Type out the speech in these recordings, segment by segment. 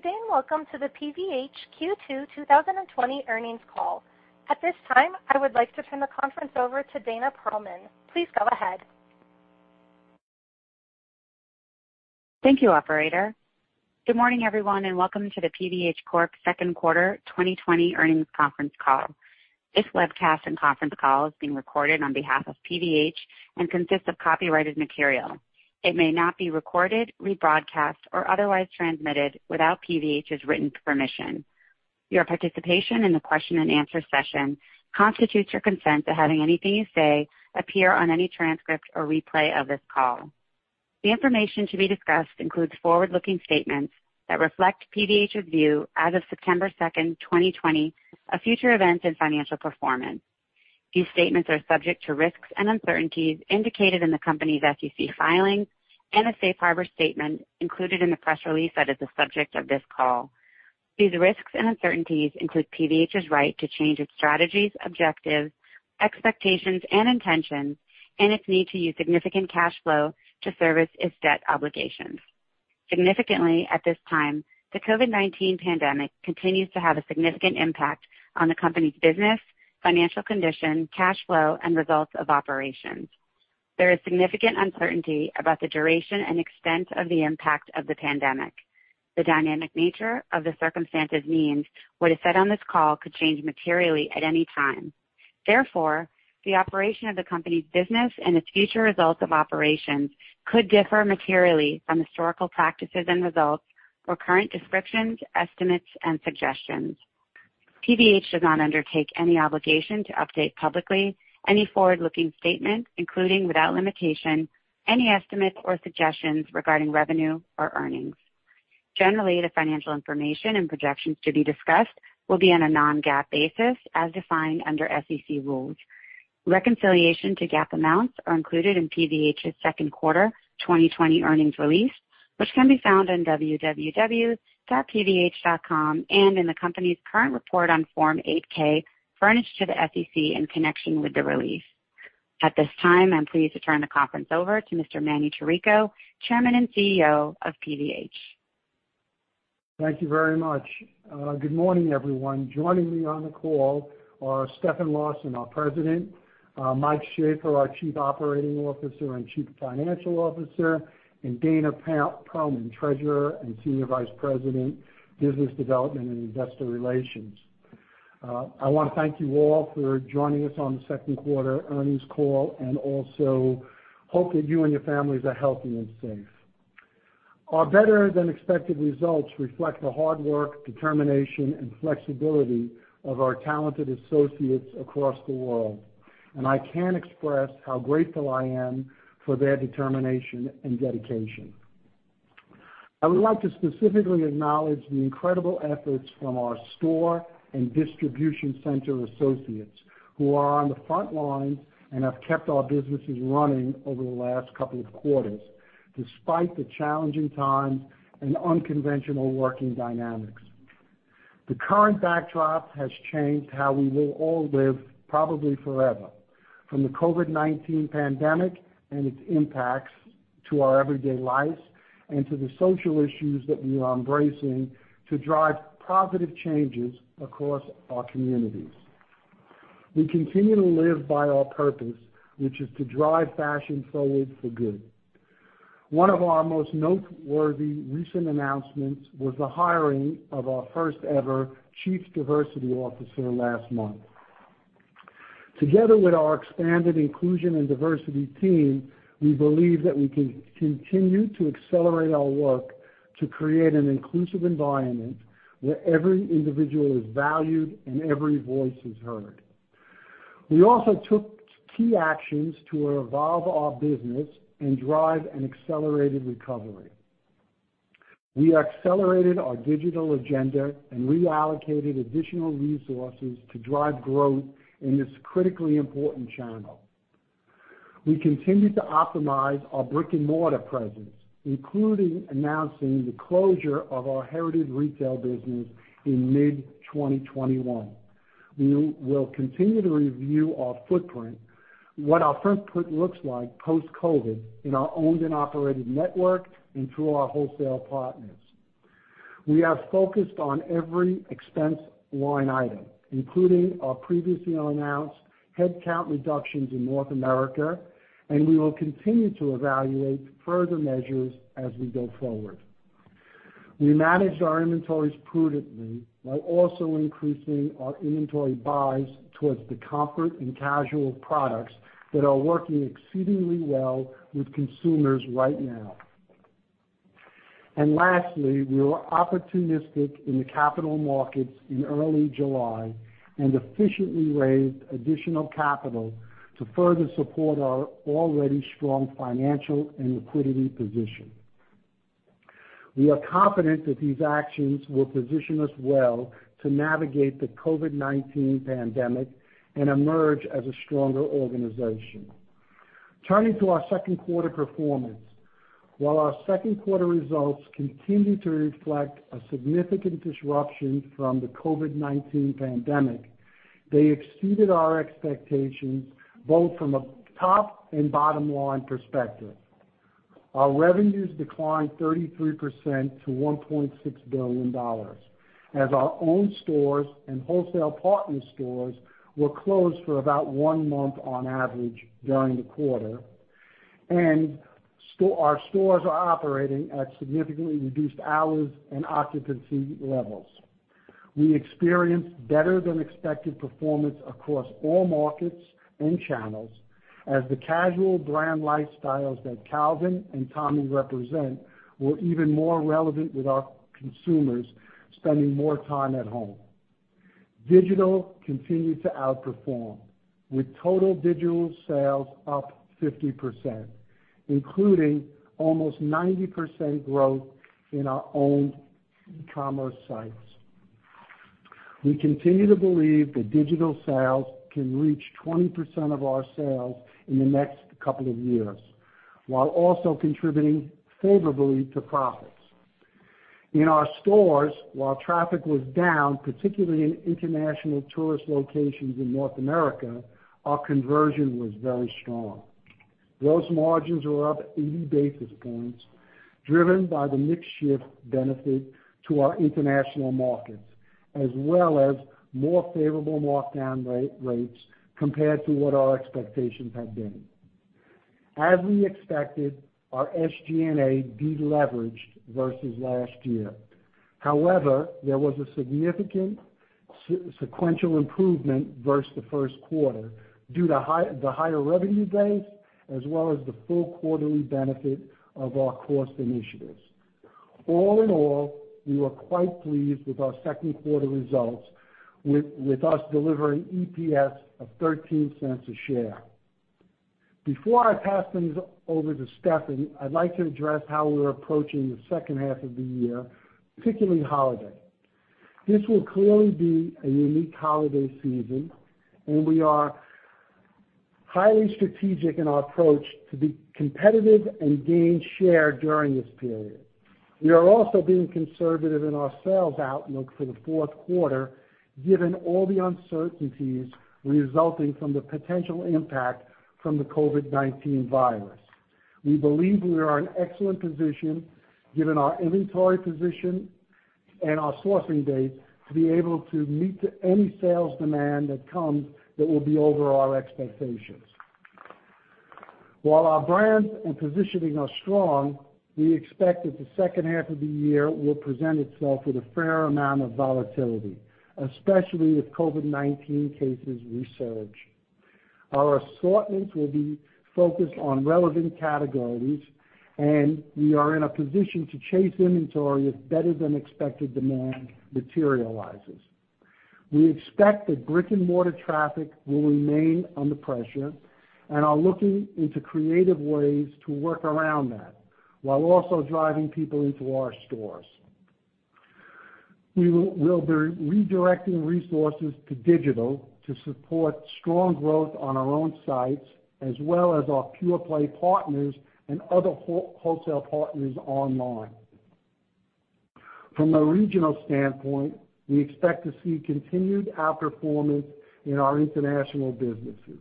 Good day, and welcome to the PVH Q2 2020 earnings call. At this time, I would like to turn the conference over to Dana Perlman. Please go ahead. Thank you, operator. Good morning, everyone. Welcome to the PVH Corp. second quarter 2020 earnings conference call. This webcast and conference call is being recorded on behalf of PVH and consists of copyrighted material. It may not be recorded, rebroadcast, or otherwise transmitted without PVH's written permission. Your participation in the question and answer session constitutes your consent to having anything you say appear on any transcript or replay of this call. The information to be discussed includes forward-looking statements that reflect PVH's view as of September 2nd, 2020 of future events and financial performance. These statements are subject to risks and uncertainties indicated in the company's SEC filings and a safe harbor statement included in the press release that is the subject of this call. These risks and uncertainties include PVH's right to change its strategies, objectives, expectations, and intentions, and its need to use significant cash flow to service its debt obligations. Significantly, at this time, the COVID-19 pandemic continues to have a significant impact on the company's business, financial condition, cash flow, and results of operations. There is significant uncertainty about the duration and extent of the impact of the pandemic. The dynamic nature of the circumstances means what is said on this call could change materially at any time. Therefore, the operation of the company's business and its future results of operations could differ materially from historical practices and results or current descriptions, estimates, and suggestions. PVH does not undertake any obligation to update publicly any forward-looking statements, including, without limitation, any estimates or suggestions regarding revenue or earnings. Generally, the financial information and projections to be discussed will be on a non-GAAP basis as defined under SEC rules. Reconciliation to GAAP amounts are included in PVH's second quarter 2020 earnings release, which can be found on www.pvh.com and in the company's current report on Form 8-K furnished to the SEC in connection with the release. At this time, I'm pleased to turn the conference over to Mr. Manny Chirico, Chairman and CEO of PVH. Thank you very much. Good morning, everyone. Joining me on the call are Stefan Larsson, our President, Mike Shaffer, our Chief Operating Officer and Chief Financial Officer, and Dana Perlman, Treasurer and Senior Vice President, Business Development and Investor Relations. I want to thank you all for joining us on the second quarter earnings call, and also hope that you and your families are healthy and safe. Our better-than-expected results reflect the hard work, determination, and flexibility of our talented associates across the world. I can't express how grateful I am for their determination and dedication. I would like to specifically acknowledge the incredible efforts from our store and distribution center associates who are on the front lines and have kept our businesses running over the last couple of quarters, despite the challenging times and unconventional working dynamics. The current backdrop has changed how we will all live probably forever, from the COVID-19 pandemic and its impacts to our everyday lives and to the social issues that we are embracing to drive positive changes across our communities. We continue to live by our purpose, which is to drive fashion forward for good. One of our most noteworthy recent announcements was the hiring of our first ever Chief Diversity Officer last month. Together with our expanded inclusion and diversity team, we believe that we can continue to accelerate our work to create an inclusive environment where every individual is valued and every voice is heard. We also took key actions to evolve our business and drive an accelerated recovery. We accelerated our digital agenda and reallocated additional resources to drive growth in this critically important channel. We continue to optimize our brick-and-mortar presence, including announcing the closure of our Heritage retail business in mid-2021. We will continue to review our footprint, what our footprint looks like post-COVID-19 in our owned and operated network and through our wholesale partners. We have focused on every expense line item, including our previously announced headcount reductions in North America, and we will continue to evaluate further measures as we go forward. We managed our inventories prudently while also increasing our inventory buys towards the comfort and casual products that are working exceedingly well with consumers right now. Lastly, we were opportunistic in the capital markets in early July and efficiently raised additional capital to further support our already strong financial and liquidity position. We are confident that these actions will position us well to navigate the COVID-19 pandemic and emerge as a stronger organization. Turning to our second quarter performance. While our second quarter results continue to reflect a significant disruption from the COVID-19 pandemic, they exceeded our expectations both from a top and bottom line perspective. Our revenues declined 33% to $1.6 billion, as our own stores and wholesale partner stores were closed for about one month on average during the quarter, and our stores are operating at significantly reduced hours and occupancy levels. We experienced better than expected performance across all markets and channels as the casual brand lifestyles that Calvin and Tommy represent were even more relevant with our consumers spending more time at home. Digital continued to outperform, with total digital sales up 50%, including almost 90% growth in our own e-commerce sites. We continue to believe that digital sales can reach 20% of our sales in the next couple of years, while also contributing favorably to profits. In our stores, while traffic was down, particularly in international tourist locations in North America, our conversion was very strong. Gross margins were up 80 basis points, driven by the mix shift benefit to our international markets, as well as more favorable markdown rates compared to what our expectations had been. As we expected, our SG&A de-leveraged versus last year. There was a significant sequential improvement versus the first quarter due to the higher revenue base, as well as the full quarterly benefit of our cost initiatives. All in all, we were quite pleased with our second quarter results, with us delivering EPS of $0.13 a share. Before I pass things over to Stefan, I'd like to address how we're approaching the second half of the year, particularly holiday. This will clearly be a unique holiday season, and we are highly strategic in our approach to be competitive and gain share during this period. We are also being conservative in our sales outlook for the fourth quarter, given all the uncertainties resulting from the potential impact from the COVID-19 virus. We believe we are in excellent position, given our inventory position and our sourcing dates, to be able to meet any sales demand that comes that will be over our expectations. While our brands and positioning are strong, we expect that the second half of the year will present itself with a fair amount of volatility, especially if COVID-19 cases resurge. Our assortments will be focused on relevant categories, and we are in a position to chase inventory if better than expected demand materializes. We expect that brick-and-mortar traffic will remain under pressure and are looking into creative ways to work around that while also driving people into our stores. We will be redirecting resources to digital to support strong growth on our own sites, as well as our pure-play partners and other wholesale partners online. From a regional standpoint, we expect to see continued outperformance in our international businesses.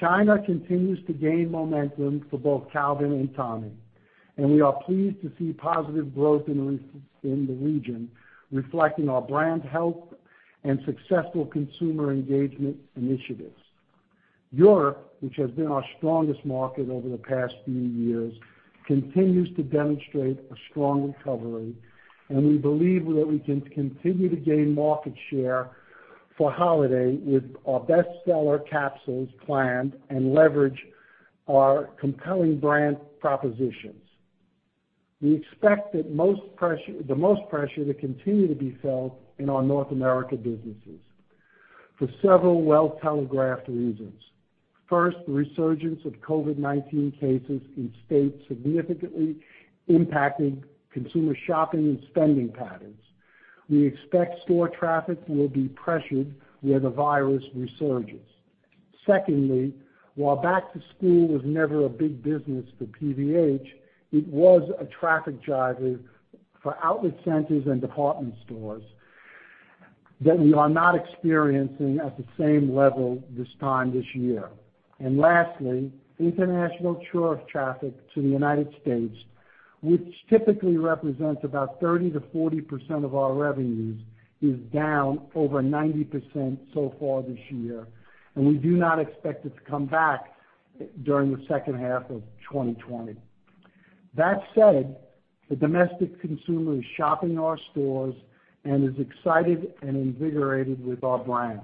China continues to gain momentum for both Calvin and Tommy, and we are pleased to see positive growth in the region, reflecting our brand health and successful consumer engagement initiatives. Europe, which has been our strongest market over the past few years, continues to demonstrate a strong recovery, and we believe that we can continue to gain market share for holiday with our best seller capsules planned and leverage our compelling brand propositions. We expect the most pressure to continue to be felt in our North America businesses for several well-telegraphed reasons. First, the resurgence of COVID-19 cases in states significantly impacting consumer shopping and spending patterns. We expect store traffic will be pressured where the virus resurges. Secondly, while back to school was never a big business for PVH, it was a traffic driver for outlet centers and department stores that we are not experiencing at the same level this time this year. Lastly, international tourist traffic to the United States, which typically represents about 30%-40% of our revenues, is down over 90% so far this year, and we do not expect it to come back during the second half of 2020. That said, the domestic consumer is shopping in our stores and is excited and invigorated with our brands.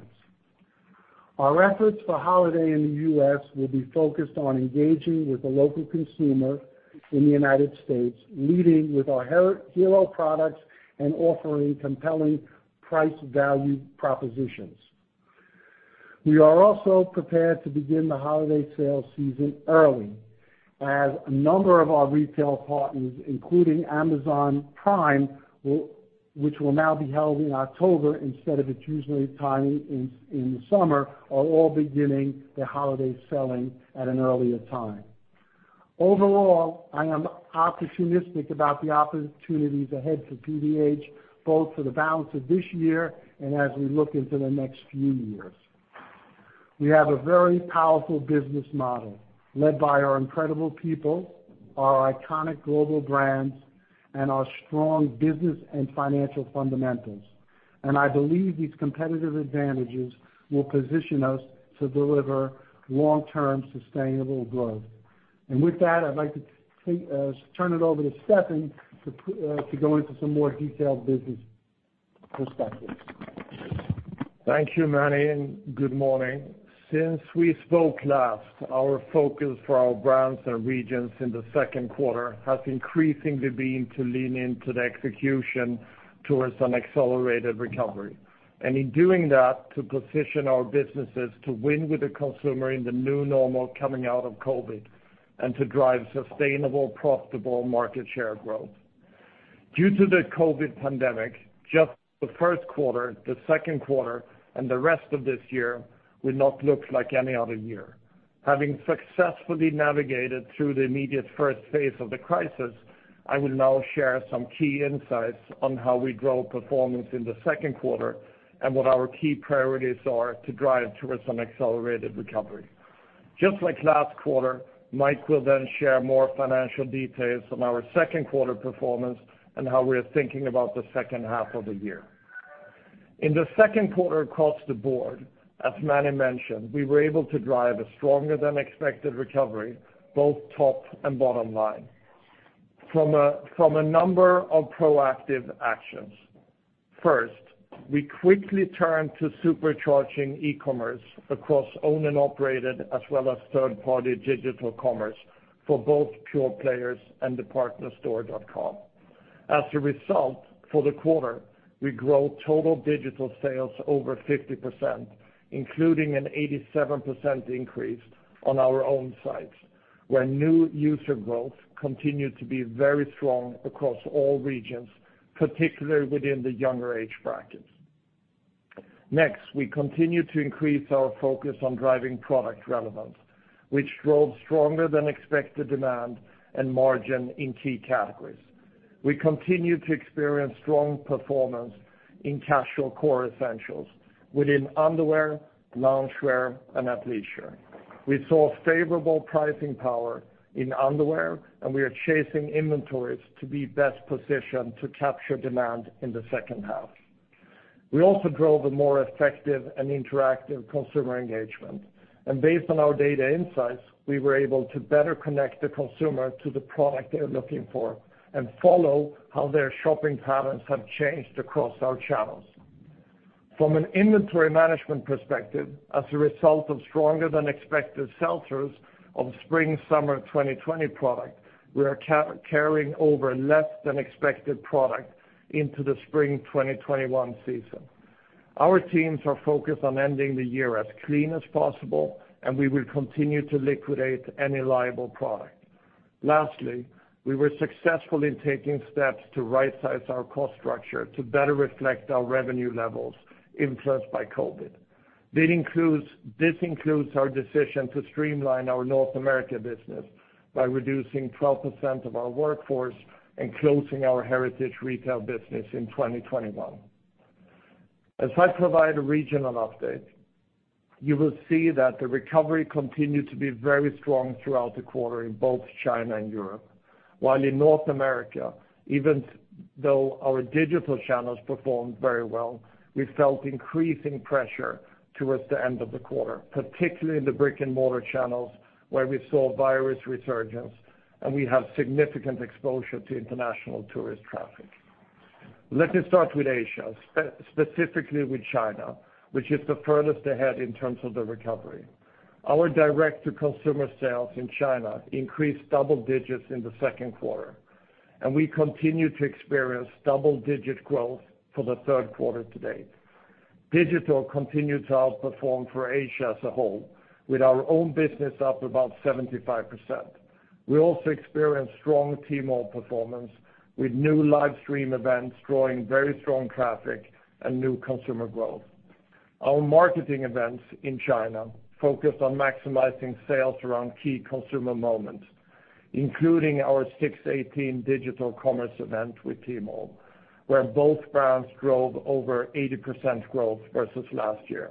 Our efforts for holiday in the U.S. will be focused on engaging with the local consumer in the United States, leading with our hero products and offering compelling price-value propositions. We are also prepared to begin the holiday sales season early, as a number of our retail partners, including Amazon Prime, which will now be held in October instead of its usual timing in the summer, are all beginning their holiday selling at an earlier time. Overall, I am optimistic about the opportunities ahead for PVH, both for the balance of this year and as we look into the next few years. We have a very powerful business model led by our incredible people, our iconic global brands, and our strong business and financial fundamentals. I believe these competitive advantages will position us to deliver long-term sustainable growth. With that, I'd like to turn it over to Stefan to go into some more detailed business perspectives. Thank you, Manny, and good morning. Since we spoke last, our focus for our brands and regions in the second quarter has increasingly been to lean into the execution towards an accelerated recovery. In doing that, to position our businesses to win with the consumer in the new normal coming out of COVID and to drive sustainable, profitable market share growth. Due to the COVID pandemic, just the first quarter, the second quarter, and the rest of this year will not look like any other year. Having successfully navigated through the immediate first phase of the crisis, I will now share some key insights on how we drove performance in the second quarter and what our key priorities are to drive towards an accelerated recovery. Just like last quarter, Mike will then share more financial details on our second quarter performance and how we're thinking about the second half of the year. In the second quarter across the board, as Manny mentioned, we were able to drive a stronger than expected recovery, both top and bottom line, from a number of proactive actions. First, we quickly turned to supercharging e-commerce across owned and operated as well as third-party digital commerce for both pure players and the partner store.com. As a result, for the quarter, we grew total digital sales over 50%, including an 87% increase on our own sites, where new user growth continued to be very strong across all regions, particularly within the younger age brackets. We continued to increase our focus on driving product relevance, which drove stronger than expected demand and margin in key categories. We continued to experience strong performance in casual core essentials within underwear, loungewear, and athleisure. We saw favorable pricing power in underwear, and we are chasing inventories to be best positioned to capture demand in the second half. We also drove a more effective and interactive consumer engagement, and based on our data insights, we were able to better connect the consumer to the product they're looking for and follow how their shopping patterns have changed across our channels. From an inventory management perspective, as a result of stronger than expected sell-throughs of Spring/Summer 2020 product, we are carrying over less than expected product into the Spring 2021 season. Our teams are focused on ending the year as clean as possible, and we will continue to liquidate any liquidatable product. Lastly, we were successful in taking steps to right-size our cost structure to better reflect our revenue levels influenced by COVID. This includes our decision to streamline our North America business by reducing 12% of our workforce and closing our heritage retail business in 2021. As I provide a regional update, you will see that the recovery continued to be very strong throughout the quarter in both China and Europe. While in North America, even though our digital channels performed very well, we felt increasing pressure towards the end of the quarter, particularly in the brick-and-mortar channels, where we saw virus resurgence and we have significant exposure to international tourist traffic. Let me start with Asia, specifically with China, which is the furthest ahead in terms of the recovery. Our direct-to-consumer sales in China increased double digits in the second quarter. We continue to experience double-digit growth for the third quarter to date. Digital continued to outperform for Asia as a whole, with our own business up about 75%. We also experienced strong Tmall performance, with new live stream events drawing very strong traffic and new consumer growth. Our marketing events in China focused on maximizing sales around key consumer moments, including our 618 digital commerce event with Tmall, where both brands drove over 80% growth versus last year.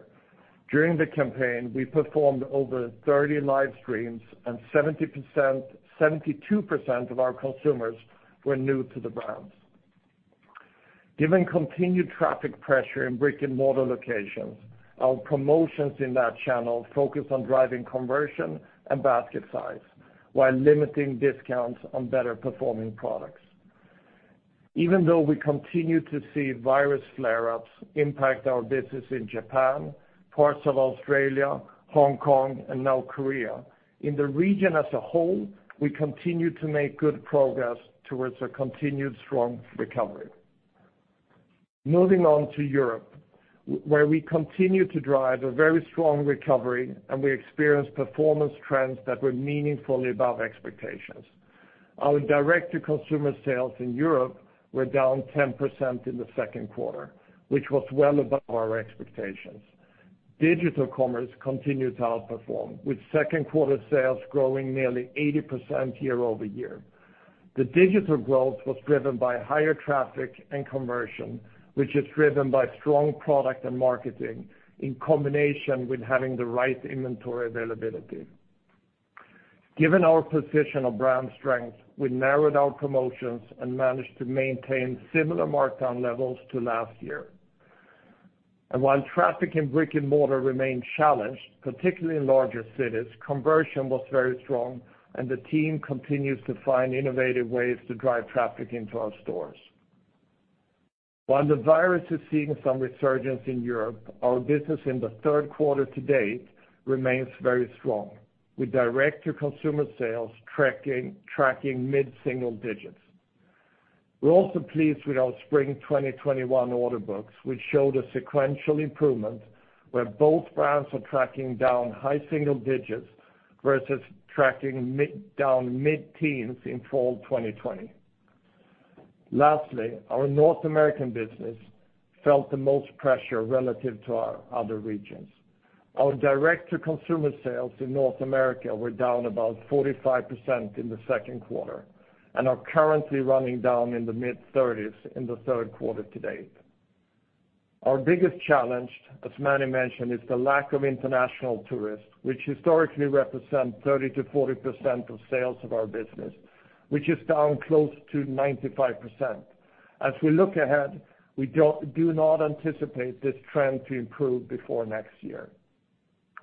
During the campaign, we performed over 30 live streams and 72% of our consumers were new to the brands. Given continued traffic pressure in brick-and-mortar locations, our promotions in that channel focus on driving conversion and basket size while limiting discounts on better performing products. Even though we continue to see virus flare-ups impact our business in Japan, parts of Australia, Hong Kong, and now Korea, in the region as a whole, we continue to make good progress towards a continued strong recovery. Moving on to Europe, where we continue to drive a very strong recovery and we experienced performance trends that were meaningfully above expectations. Our direct-to-consumer sales in Europe were down 10% in the second quarter, which was well above our expectations. Digital commerce continued to outperform, with second quarter sales growing nearly 80% year-over-year. The digital growth was driven by higher traffic and conversion, which is driven by strong product and marketing in combination with having the right inventory availability. Given our position of brand strength, we narrowed our promotions and managed to maintain similar markdown levels to last year. While traffic in brick and mortar remained challenged, particularly in larger cities, conversion was very strong, and the team continues to find innovative ways to drive traffic into our stores. While the virus is seeing some resurgence in Europe, our business in the third quarter to date remains very strong, with direct-to-consumer sales tracking mid-single digits. We're also pleased with our Spring 2021 order books, which showed a sequential improvement where both brands are tracking down high single digits versus tracking mid down mid-teens in fall 2020. Lastly, our North American business felt the most pressure relative to our other regions. Our direct-to-consumer sales in North America were down about 45% in the second quarter and are currently running down in the mid-30s in the third quarter to date. Our biggest challenge, as Manny mentioned, is the lack of international tourists, which historically represent 30%-40% of sales of our business, which is down close to 95%. We look ahead, we do not anticipate this trend to improve before next year.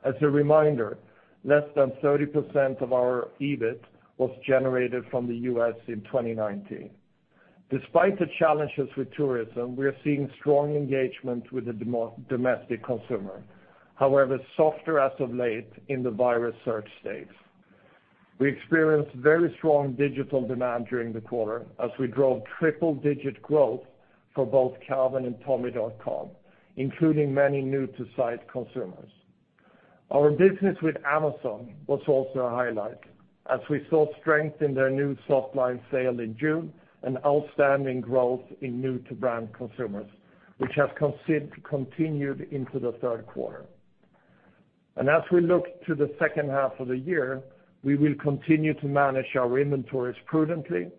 A reminder, less than 30% of our EBIT was generated from the U.S. in 2019. Despite the challenges with tourism, we are seeing strong engagement with the domestic consumer, however, softer as of late in the virus surge states. We experienced very strong digital demand during the quarter as we drove triple-digit growth for both Calvin and Tommy.com, including many new-to-site consumers. Our business with Amazon was also a highlight as we saw strength in their new softlines sale in June and outstanding growth in new-to-brand consumers, which has continued into the third quarter. As we look to the second half of the year, we will continue to manage our inventories prudently.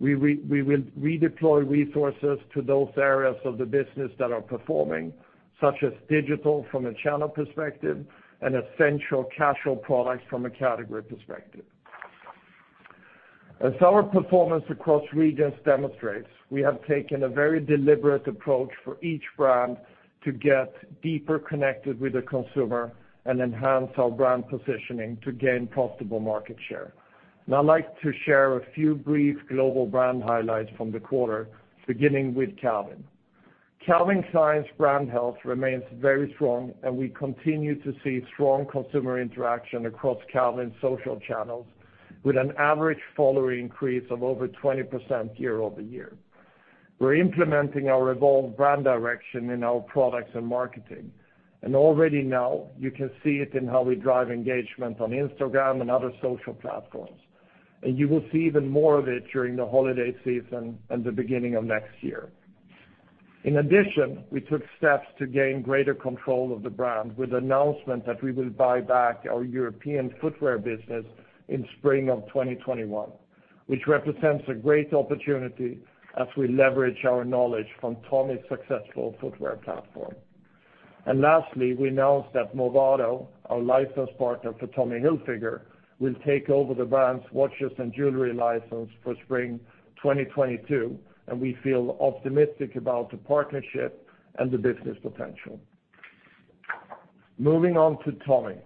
We will redeploy resources to those areas of the business that are performing, such as digital from a channel perspective and essential casual products from a category perspective. As our performance across regions demonstrates, we have taken a very deliberate approach for each brand to get deeper connected with the consumer and enhance our brand positioning to gain profitable market share. I'd like to share a few brief global brand highlights from the quarter, beginning with Calvin. Calvin Klein's brand health remains very strong, and we continue to see strong consumer interaction across Calvin's social channels with an average follower increase of over 20% year-over-year. We're implementing our Evolve brand direction in our products and marketing. Already now you can see it in how we drive engagement on Instagram and other social platforms. You will see even more of it during the holiday season and the beginning of next year. In addition, we took steps to gain greater control of the brand with the announcement that we will buy back our European footwear business in spring of 2021, which represents a great opportunity as we leverage our knowledge from Tommy's successful footwear platform. Lastly, we announced that Movado, our licensed partner for Tommy Hilfiger, will take over the brand's watches and jewelry license for spring 2022, and we feel optimistic about the partnership and the business potential. Moving on to Tommy.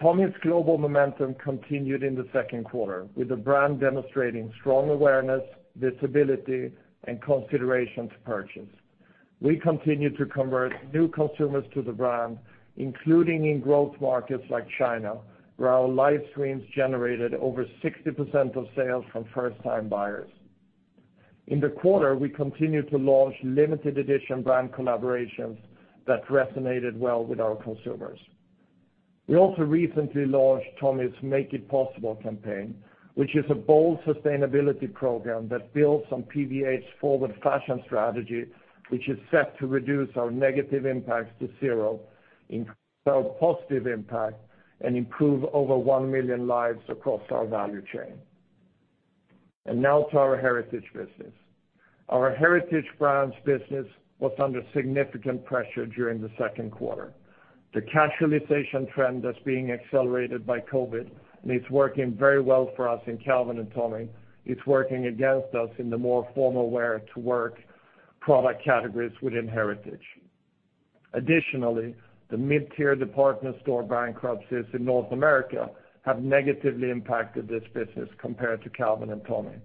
Tommy's global momentum continued in the second quarter, with the brand demonstrating strong awareness, visibility, and consideration to purchase. We continue to convert new consumers to the brand, including in growth markets like China, where our live streams generated over 60% of sales from first-time buyers. In the quarter, we continued to launch limited edition brand collaborations that resonated well with our consumers. We also recently launched Tommy's Make It Possible campaign, which is a bold sustainability program that builds on PVH's Forward Fashion strategy, which is set to reduce our negative impacts to zero, build positive impact, and improve over one million lives across our value chain. Now to our Heritage business. Our Heritage Brands business was under significant pressure during the second quarter. The casualization trend that's being accelerated by COVID, and it's working very well for us in Calvin and Tommy. It's working against us in the more formal wear to work product categories within Heritage. The mid-tier department store bankruptcies in North America have negatively impacted this business compared to Calvin and Tommy.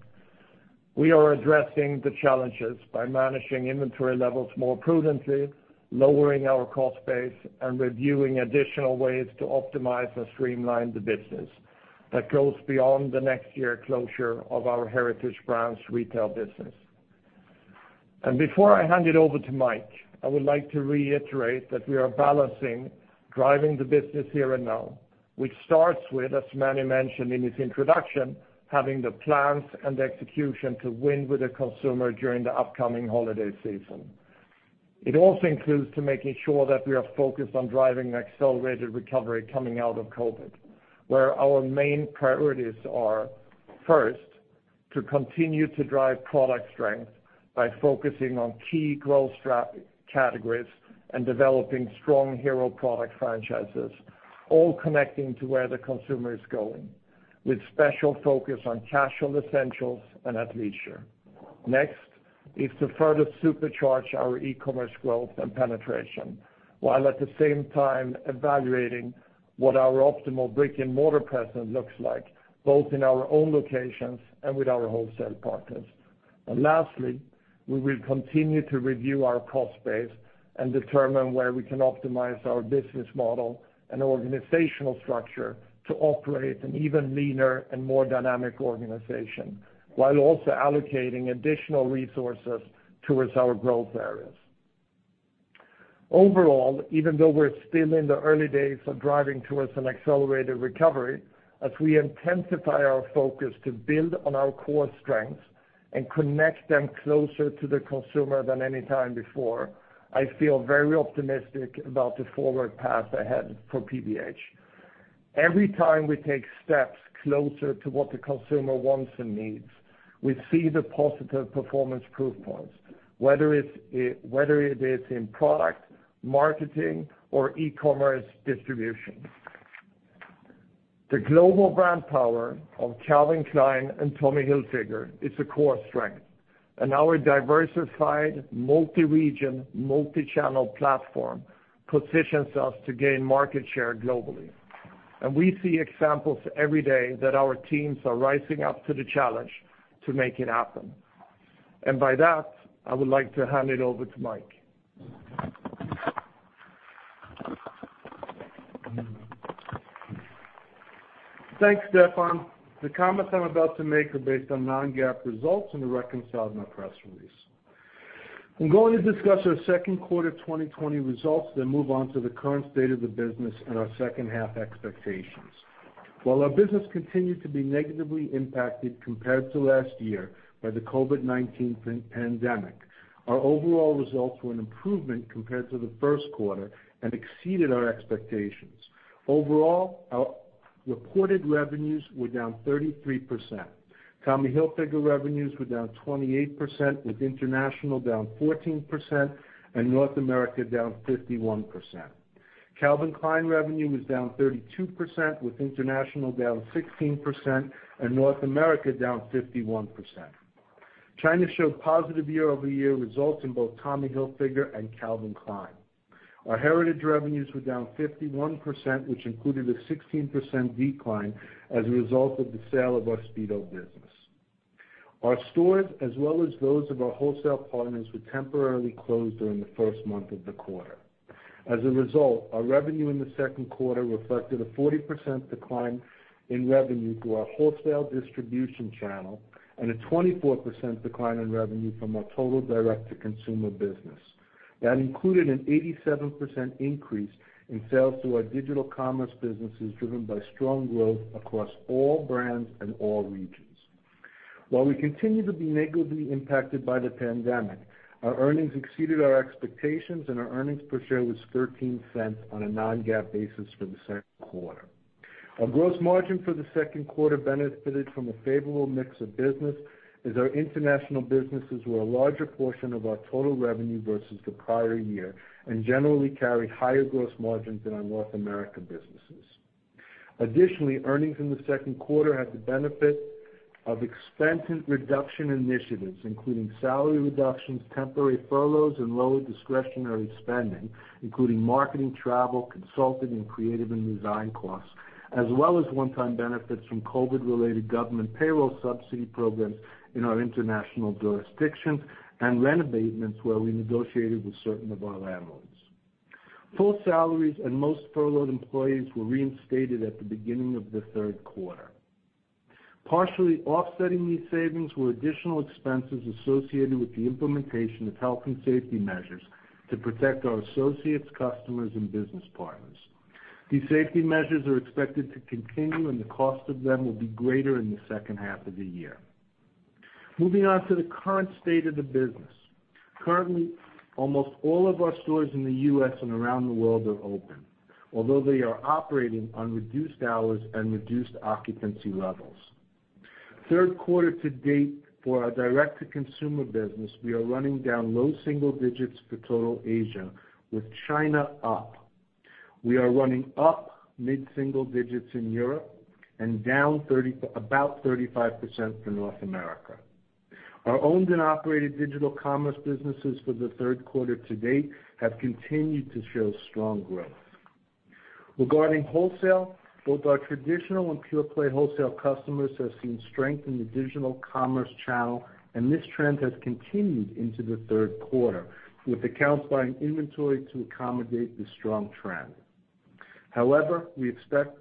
We are addressing the challenges by managing inventory levels more prudently, lowering our cost base, and reviewing additional ways to optimize and streamline the business that goes beyond the next year closure of our Heritage Brands retail business. Before I hand it over to Mike, I would like to reiterate that we are balancing driving the business here and now, which starts with, as Manny mentioned in his introduction, having the plans and execution to win with the consumer during the upcoming holiday season. It also includes to making sure that we are focused on driving an accelerated recovery coming out of COVID, where our main priorities are, first, to continue to drive product strength by focusing on key growth categories and developing strong hero product franchises, all connecting to where the consumer is going, with special focus on casual essentials and athleisure. Next is to further supercharge our e-commerce growth and penetration, while at the same time evaluating what our optimal brick-and-mortar presence looks like, both in our own locations and with our wholesale partners. Lastly, we will continue to review our cost base and determine where we can optimize our business model and organizational structure to operate an even leaner and more dynamic organization, while also allocating additional resources towards our growth areas. Overall, even though we're still in the early days of driving towards an accelerated recovery, as we intensify our focus to build on our core strengths and connect them closer to the consumer than any time before, I feel very optimistic about the forward path ahead for PVH. Every time we take steps closer to what the consumer wants and needs, we see the positive performance proof points, whether it is in product, marketing, or e-commerce distribution. The global brand power of Calvin Klein and Tommy Hilfiger is a core strength, and our diversified, multi-region, multi-channel platform positions us to gain market share globally. We see examples every day that our teams are rising up to the challenge to make it happen. By that, I would like to hand it over to Mike. Thanks, Stefan. The comments I'm about to make are based on non-GAAP results and are reconciled in our press release. I'm going to discuss our second quarter 2020 results, then move on to the current state of the business and our second half expectations. While our business continued to be negatively impacted compared to last year by the COVID-19 pandemic, our overall results were an improvement compared to the first quarter and exceeded our expectations. Overall, our reported revenues were down 33%. Tommy Hilfiger revenues were down 28%, with international down 14% and North America down 51%. Calvin Klein revenue was down 32%, with international down 16% and North America down 51%. China showed positive year-over-year results in both Tommy Hilfiger and Calvin Klein. Our Heritage revenues were down 51%, which included a 16% decline as a result of the sale of our Speedo business. Our stores, as well as those of our wholesale partners, were temporarily closed during the first month of the quarter. As a result, our revenue in the second quarter reflected a 40% decline in revenue through our wholesale distribution channel and a 24% decline in revenue from our total direct-to-consumer business. That included an 87% increase in sales to our digital commerce businesses, driven by strong growth across all brands and all regions. While we continue to be negatively impacted by the pandemic, our earnings exceeded our expectations, and our earnings per share was $0.13 on a non-GAAP basis for the second quarter. Our gross margin for the second quarter benefited from a favorable mix of business, as our international businesses were a larger portion of our total revenue versus the prior year and generally carry higher gross margins than our North America businesses. Additionally, earnings in the second quarter had the benefit of extensive reduction initiatives, including salary reductions, temporary furloughs, and lower discretionary spending, including marketing, travel, consulting, and creative and design costs, as well as one-time benefits from COVID-related government payroll subsidy programs in our international jurisdictions and rent abatements where we negotiated with certain of our landlords. Full salaries and most furloughed employees were reinstated at the beginning of the third quarter. Partially offsetting these savings were additional expenses associated with the implementation of health and safety measures to protect our associates, customers, and business partners. These safety measures are expected to continue, and the cost of them will be greater in the second half of the year. Moving on to the current state of the business. Currently, almost all of our stores in the U.S. and around the world are open, although they are operating on reduced hours and reduced occupancy levels. Third quarter to date for our direct-to-consumer business, we are running down low single digits for total Asia, with China up. We are running up mid-single digits in Europe and down about 35% for North America. Our owned and operated digital commerce businesses for the third quarter to date have continued to show strong growth. Regarding wholesale, both our traditional and pure-play wholesale customers have seen strength in the digital commerce channel, and this trend has continued into the third quarter, with accounts buying inventory to accommodate the strong trend. However, we expect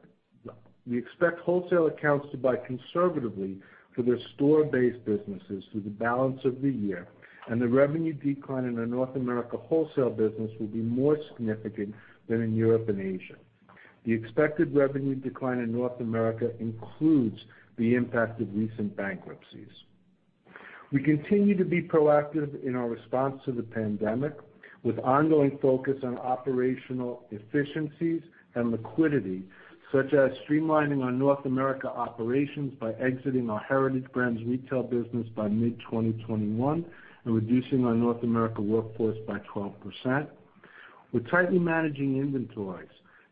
wholesale accounts to buy conservatively for their store-based businesses through the balance of the year, and the revenue decline in our North America wholesale business will be more significant than in Europe and Asia. The expected revenue decline in North America includes the impact of recent bankruptcies. We continue to be proactive in our response to the pandemic, with ongoing focus on operational efficiencies and liquidity, such as streamlining our North America operations by exiting our Heritage Brands retail business by mid-2021 and reducing our North America workforce by 12%. We're tightly managing inventories.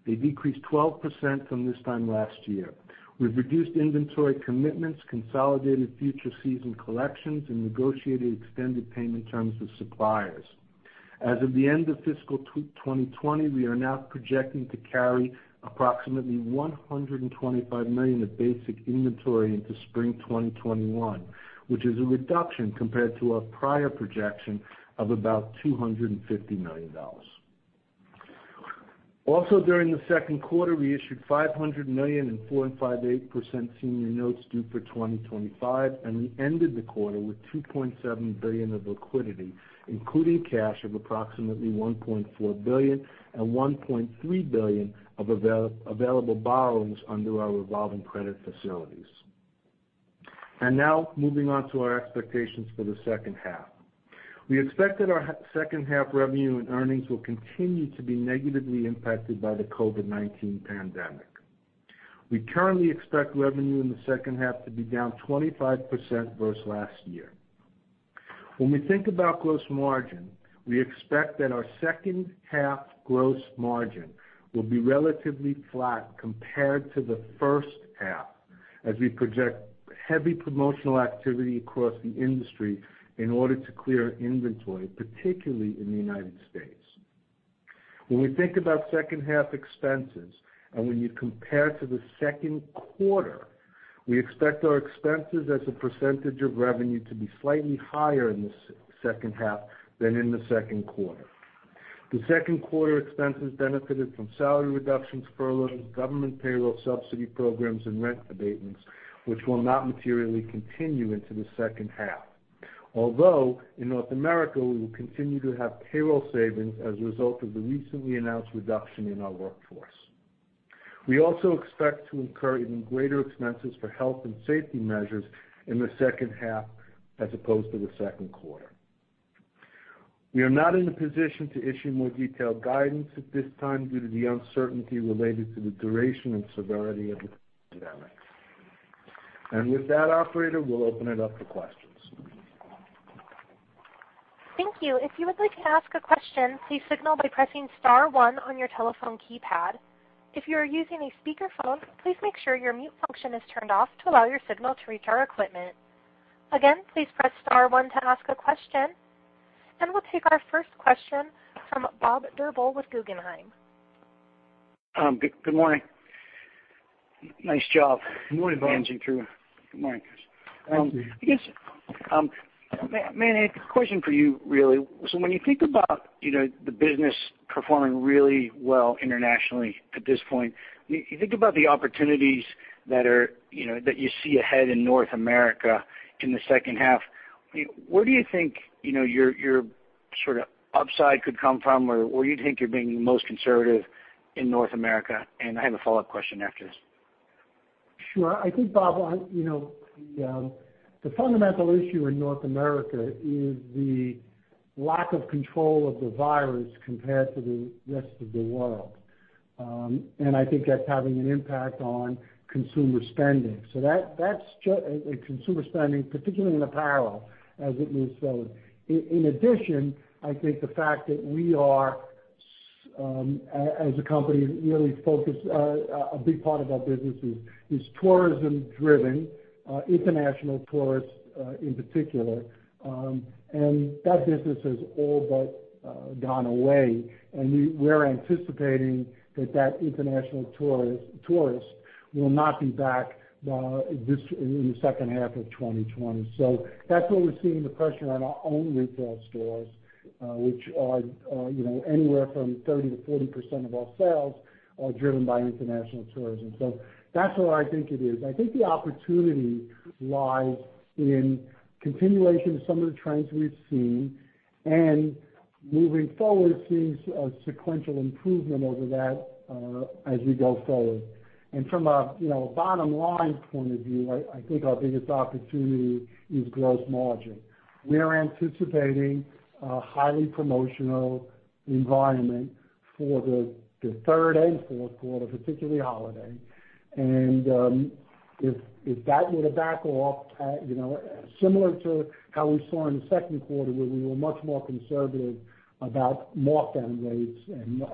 They decreased 12% from this time last year. We've reduced inventory commitments, consolidated future season collections, and negotiated extended payment terms with suppliers. As of the end of fiscal 2020, we are now projecting to carry approximately $125 million of basic inventory into spring 2021, which is a reduction compared to our prior projection of about $250 million. Also, during the second quarter, we issued $500 million in 4 5/8% senior notes due for 2025. We ended the quarter with $2.7 billion of liquidity, including cash of approximately $1.4 billion and $1.3 billion of available borrowings under our revolving credit facilities. Now moving on to our expectations for the second half. We expect that our second half revenue and earnings will continue to be negatively impacted by the COVID-19 pandemic. We currently expect revenue in the second half to be down 25% versus last year. When we think about gross margin, we expect that our second half gross margin will be relatively flat compared to the first half as we project heavy promotional activity across the industry in order to clear inventory, particularly in the United States When we think about second half expenses, and when you compare to the second quarter, we expect our expenses as a percentage of revenue to be slightly higher in the second half than in the second quarter. The second quarter expenses benefited from salary reductions, furloughs, government payroll subsidy programs, and rent abatements, which will not materially continue into the second half. Although, in North America, we will continue to have payroll savings as a result of the recently announced reduction in our workforce. We also expect to incur even greater expenses for health and safety measures in the second half as opposed to the second quarter. We are not in a position to issue more detailed guidance at this time due to the uncertainty related to the duration and severity of the pandemic. With that, operator, we'll open it up for questions. Thank you. If you would like to ask a question, please signal by pressing star one on your telephone keypad. If you are using a speakerphone, please make sure your mute function is turned off to allow your signal to reach our equipment. Again, please press star one to ask a question. We'll take our first question from Bob Drbul with Guggenheim. Good morning. Good morning, Bob. Managing through. Good morning. Thank you. Manny, question for you, really. When you think about the business performing really well internationally at this point, you think about the opportunities that you see ahead in North America in the second half. Where do you think your upside could come from, or where do you think you're being most conservative in North America? I have a follow-up question after this. Sure. I think, Bob, the fundamental issue in North America is the lack of control of the virus compared to the rest of the world. I think that's having an impact on consumer spending. That's consumer spending, particularly in apparel, as it moves forward. In addition, I think the fact that we are, as a company, really focused, a big part of our business is tourism driven, international tourists in particular. That business has all but gone away, and we're anticipating that international tourists will not be back in the second half of 2020. That's where we're seeing the pressure on our own retail stores which are anywhere from 30%-40% of our sales are driven by international tourism. That's where I think it is. I think the opportunity lies in continuation of some of the trends we've seen and moving forward, seeing sequential improvement over that as we go forward. From a bottom-line point of view, I think our biggest opportunity is gross margin. We are anticipating a highly promotional environment for the third and fourth quarter, particularly holiday. If that were to back off, similar to how we saw in the second quarter, where we were much more conservative about mark-down rates and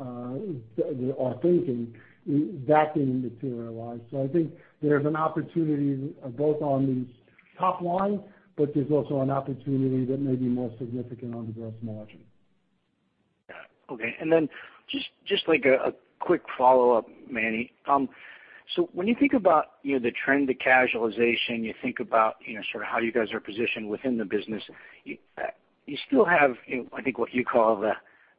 our thinking, that didn't materialize. I think there's an opportunity both on the top line, but there's also an opportunity that may be more significant on the gross margin. Yeah. Okay. Just a quick follow-up, Manny. When you think about the trend to casualization, you think about how you guys are positioned within the business. You still have, I think, what you call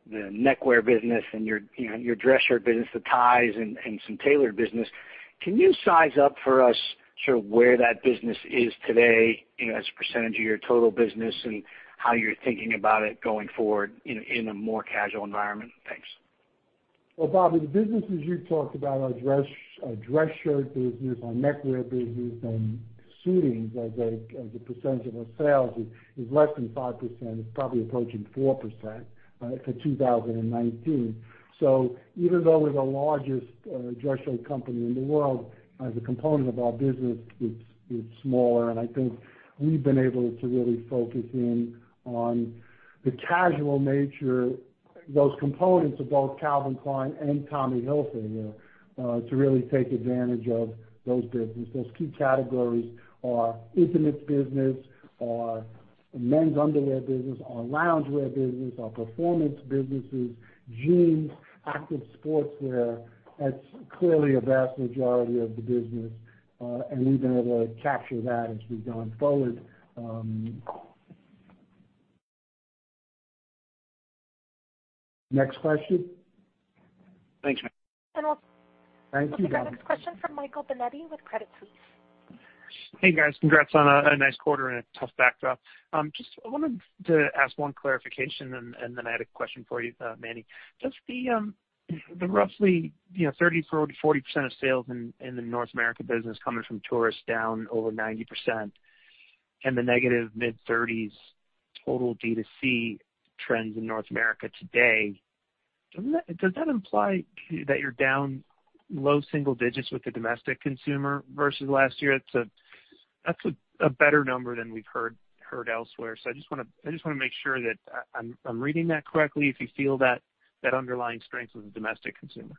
the neckwear business and your dress shirt business, the ties, and some tailored business. Can you size up for us where that business is today as a percentage of your total business and how you're thinking about it going forward in a more casual environment? Thanks. Well, Bob, the businesses you talked about, our dress shirt business, our neckwear business, and suitings as a percentage of our sales is less than 5%. It's probably approaching 4% for 2019. Even though we're the largest dress shirt company in the world, as a component of our business, it's smaller. I think we've been able to really focus in on the casual nature, those components of both Calvin Klein and Tommy Hilfiger, to really take advantage of those businesses. Those key categories are intimates business, our men's underwear business, our loungewear business, our performance businesses, jeans, active sportswear. That's clearly a vast majority of the business, and we've been able to capture that as we've gone forward. Next question. Thanks, Manny. And I'll- Thank you. Our next question from Michael Binetti with Credit Suisse. Hey, guys. Congrats on a nice quarter and a tough backdrop. Just wanted to ask one clarification, and then I had a question for you, Manny. The roughly 30%-40% of sales in the North America business coming from tourists down over 90% and the negative mid-30s total D2C trends in North America today, does that imply that you're down low single digits with the domestic consumer versus last year? That's a better number than we've heard elsewhere. I just want to make sure that I'm reading that correctly, if you feel that underlying strength of the domestic consumer?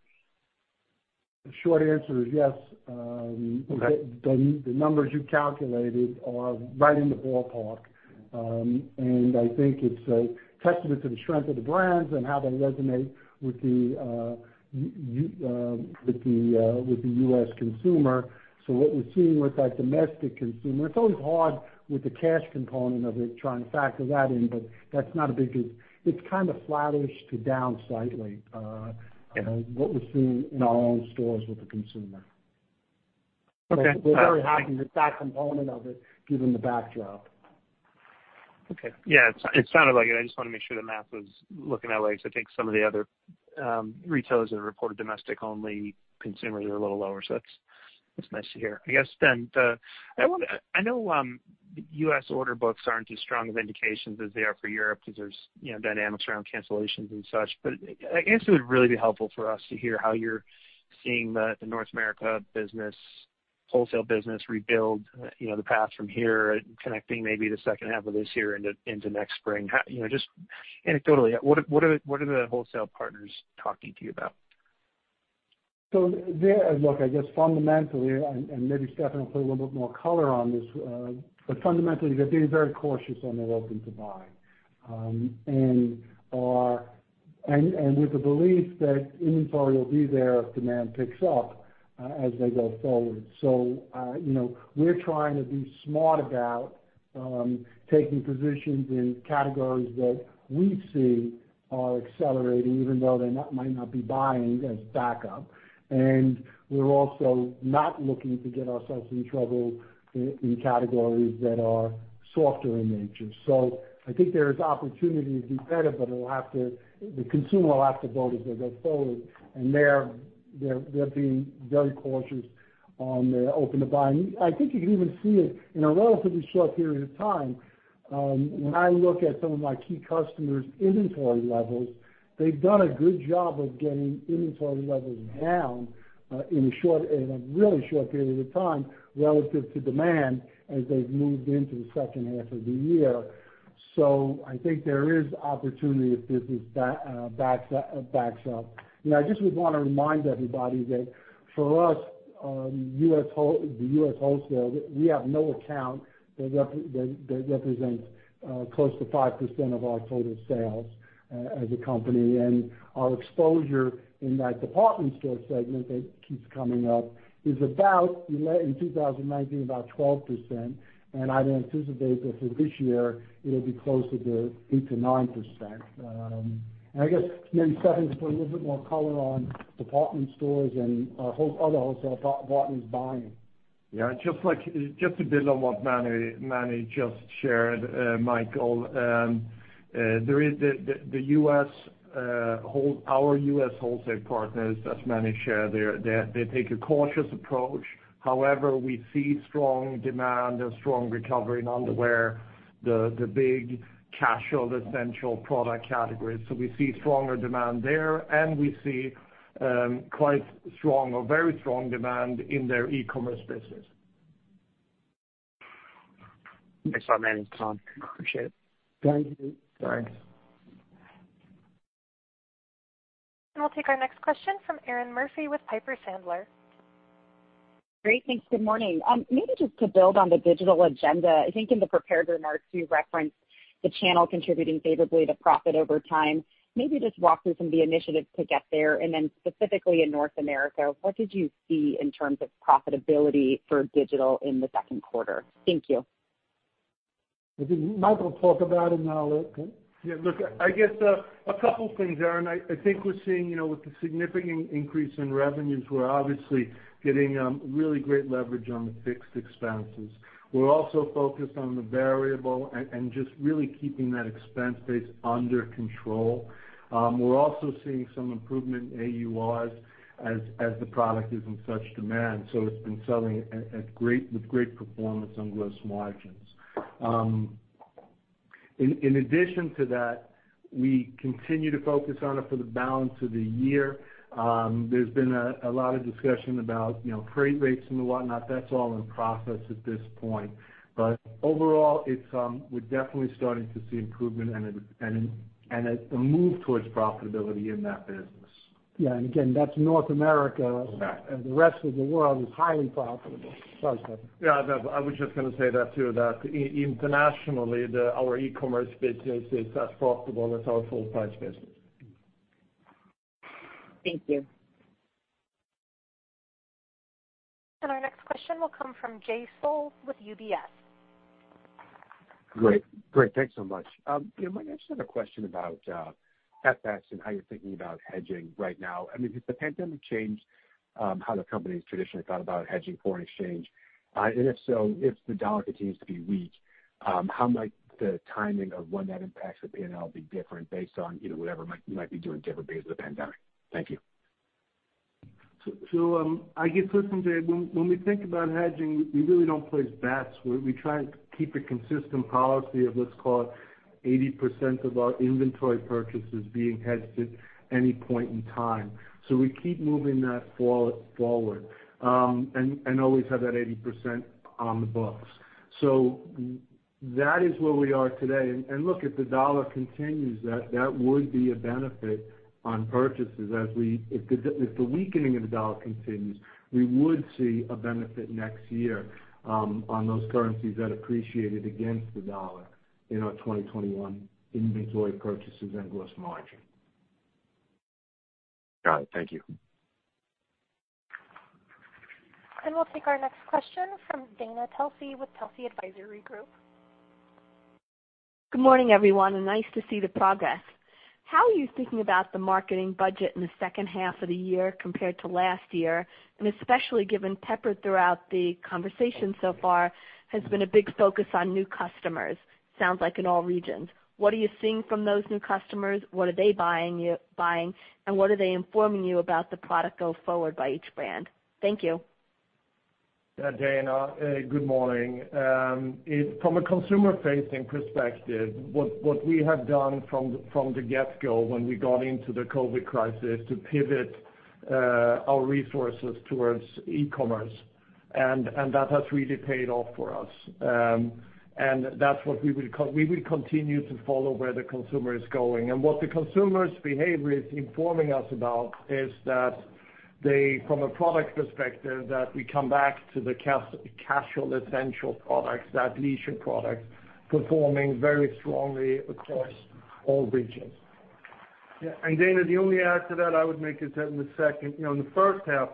The short answer is yes. Okay. The numbers you calculated are right in the ballpark. I think it's a testament to the strength of the brands and how they resonate with the U.S. consumer. What we're seeing with that domestic consumer, it's always hard with the cash component of it, trying to factor that in, but that's not. It's flattish to down slightly. Okay. What we're seeing in our own stores with the consumer. Okay. We're very happy with that component of it, given the backdrop. Okay. Yeah, it sounded like it. I just wanted to make sure the math was looking that way because I think some of the other retailers have reported domestic-only consumers are a little lower, so that's nice to hear. I guess, I know U.S. order books aren't as strong of indications as they are for Europe because there's dynamics around cancellations and such, I guess it would really be helpful for us to hear how you're seeing the North America business, wholesale business rebuild the path from here, connecting maybe the second half of this year into next spring. Just anecdotally, what are the wholesale partners talking to you about? Look, I guess fundamentally, and maybe Stefan will put a little bit more color on this, but fundamentally, they're being very cautious on their open-to-buy, and with the belief that inventory will be there if demand picks up as they go forward. So, you know we're trying to be smart about taking positions in categories where we see it accelerating, even though they might not be buying, as back-up and we're also not looking to get ourselves in trouble in categories that are softer in nature. I think there is opportunity to do better, but the consumer will have to vote as they go forward, and they're being very cautious on their open-to-buy. I think you can even see it in a relatively short period of time. When I look at some of my key customers' inventory levels, they've done a good job of getting inventory levels down in a really short period of time relative to demand as they've moved into the second half of the year. I think there is opportunity if business backs up. I just would want to remind everybody that for us, the U.S. wholesale, we have no account that represents close to 5% of our total sales as a company. Our exposure in that department store segment that keeps coming up is about, in 2019, about 12%, and I'd anticipate that for this year, it'll be closer to 8%-9%. I guess maybe Stefan can put a little bit more color on department stores and our other wholesale partners buying. Yeah, just to build on what Manny just shared, Michael. Our U.S. wholesale partners, as Manny shared, they take a cautious approach. We see strong demand and strong recovery in underwear, the big casual, essential product categories. We see stronger demand there, and we see quite strong or very strong demand in their e-commerce business. Thanks a lot, Manny and Stefan. Appreciate it. Thank you. Thanks. We'll take our next question from Erinn Murphy with Piper Sandler. Great. Thanks. Good morning. Maybe just to build on the digital agenda, I think in the prepared remarks, you referenced the channel contributing favorably to profit over time. Maybe just walk through some of the initiatives to get there, and then specifically in North America, what did you see in terms of profitability for digital in the second quarter? Thank you. I think Michael will talk about it and I'll add, okay? Yeah, look, I guess a couple things, Erinn. I think we're seeing with the significant increase in revenues, we're obviously getting really great leverage on the fixed expenses. We're also focused on the variable and just really keeping that expense base under control. We're also seeing some improvement in AURs as the product is in such demand. It's been selling with great performance on gross margins. In addition to that, we continue to focus on it for the balance of the year. There's been a lot of discussion about freight rates and whatnot. That's all in process at this point. Overall, we're definitely starting to see improvement and a move towards profitability in that business. Yeah. Again, that's North America. Internationally. The rest of the world is highly profitable. Sorry, Stefan. Yeah, I was just going to say that, too, that internationally, our e-commerce business is as profitable as our full-price business. Thank you. Our next question will come from Jay Sole with UBS. Great. Thanks so much. Yeah, Mike, I just have a question about FX and how you're thinking about hedging right now. I mean, has the pandemic changed how the company's traditionally thought about hedging foreign exchange? If so, if the dollar continues to be weak, how might the timing of when that impacts the P&L be different based on whatever you might be doing differently because of the pandemic? Thank you. I guess, listen, Jay, when we think about hedging, we really don't place bets where we try and keep a consistent policy of let's call it 80% of our inventory purchases being hedged at any point in time. We keep moving that forward and always have that 80% on the books. That is where we are today. Look, if the dollar continues, that would be a benefit on purchases. If the weakening of the dollar continues, we would see a benefit next year on those currencies that appreciated against the dollar in our 2021 inventory purchases and gross margin. Got it. Thank you. We'll take our next question from Dana Telsey with Telsey Advisory Group. Good morning, everyone, and nice to see the progress. How are you thinking about the marketing budget in the second half of the year compared to last year? Especially given peppered throughout the conversation so far has been a big focus on new customers, sounds like in all regions. What are you seeing from those new customers? What are they buying? What are they informing you about the product go forward by each brand? Thank you. Yeah, Dana, good morning. From a consumer-facing perspective, what we have done from the get-go when we got into the COVID crisis to pivot our resources towards e-commerce, that has really paid off for us. That's what we will continue to follow where the consumer is going. What the consumer's behavior is informing us about is that from a product perspective, that we come back to the casual, essential products, athleisure product performing very strongly across all regions. Yeah. Dana, the only add to that I would make is that in the first half,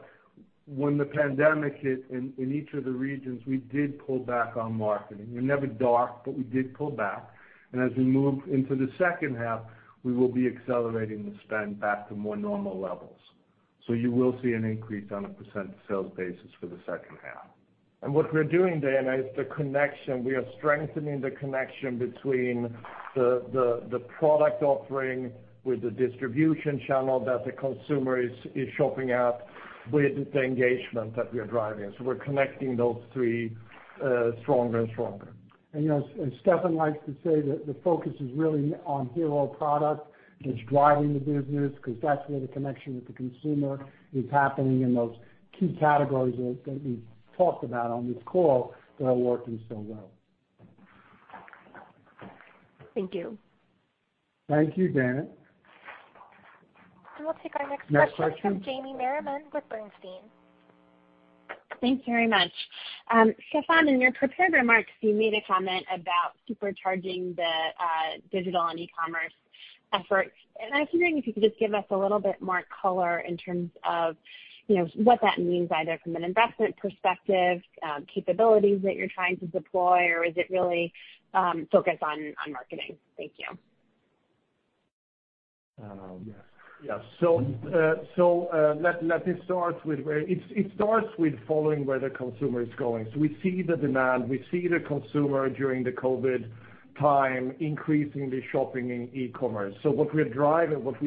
when the pandemic hit in each of the regions, we did pull back on marketing. We never dark, but we did pull back. As we move into the second half, we will be accelerating the spend back to more normal levels. You will see an increase on a percent sales basis for the second half. What we're doing, Dana, is the connection. We are strengthening the connection between the product offering with the distribution channel that the consumer is shopping at with the engagement that we are driving. We're connecting those three stronger and stronger. As Stefan likes to say, the focus is really on hero product that's driving the business because that's where the connection with the consumer is happening in those key categories that we've talked about on this call that are working so well. Thank you. Thank you, Dana. We'll take our next question. Next question? From Jamie Merriman with Bernstein. Thanks very much. Stefan, in your prepared remarks, you made a comment about supercharging the digital and e-commerce efforts. I was wondering if you could just give us a little bit more color in terms of what that means, either from an investment perspective, capabilities that you're trying to deploy, or is it really focused on marketing? Thank you. Yes. Let me start with where it starts with following where the consumer is going. We see the demand. We see the consumer during the COVID time increasingly shopping in e-commerce. What we